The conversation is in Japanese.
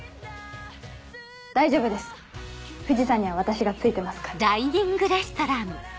大丈夫です藤さんには私がついてますから。